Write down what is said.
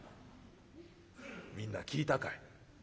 「みんな聞いたかい？